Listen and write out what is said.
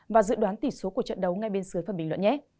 và dự đoán tỷ số của trận đấu ngay bên dưới phần bình luận nhé